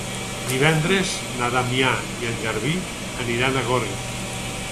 Divendres na Damià i en Garbí aniran a Gorga.